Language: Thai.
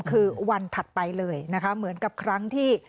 คือวันถัดไปเลยนะคะเหมือนกับครั้งที่